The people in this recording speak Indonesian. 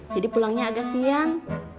jadi pulangnya agak siang